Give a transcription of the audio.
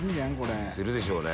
飯尾）するでしょうね。